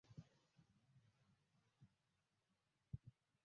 Mmoja amebobea kwenye falsafa ya uchumi